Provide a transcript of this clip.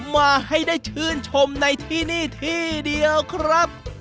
มาให้ได้ชื่นชมในที่นี่ที่เดียวครับ